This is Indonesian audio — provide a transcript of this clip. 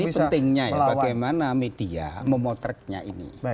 di sini pentingnya ya bagaimana media memotretnya ini